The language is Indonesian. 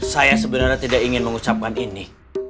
saya sebenarnya tidak ingin mengucapkan ini